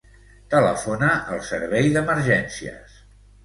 Telefona al Servei d'Emergències.